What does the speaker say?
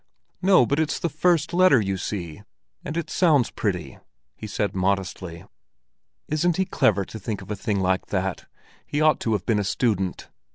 "No, but it's the first letter, you see, and it sounds pretty," he said modestly. "Isn't he clever to think of a thing like that? He ought to have been a student.